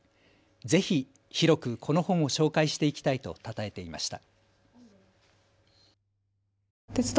ぜひ広くこの本を紹介していきたいとたたえていました。